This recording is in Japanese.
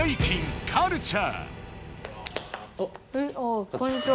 あっこんにちは。